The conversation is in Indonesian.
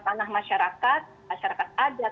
tanah masyarakat masyarakat adat